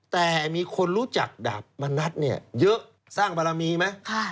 แต่มีคนรู้จักดาบมณัฐเนี่ยเยอะสร้างบารมีไหม